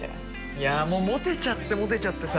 いやもうモテちゃってモテちゃってさ。